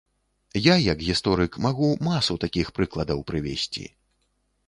Я як гісторык магу масу такіх прыкладаў прывесці.